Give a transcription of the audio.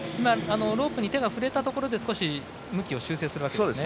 今、ロープに手が触れたとことで向きを修正するわけですね。